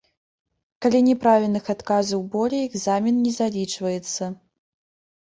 Калі няправільных адказаў болей, экзамен не залічваецца.